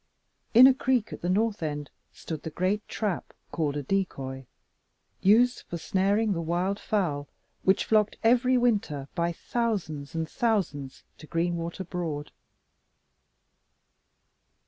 In a creek at the north end stood the great trap (called a "decoy"), used for snaring the wild fowl which flocked every winter, by thousands and thousands, to Greenwater Broad.